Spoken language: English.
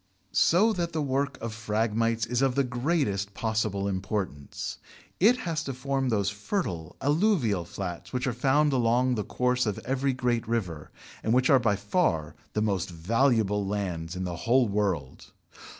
So that the work of Phragmites is of the greatest possible importance: it has to form those fertile alluvial flats which are found along the course of every great river, and which are by far the most valuable lands in the whole world.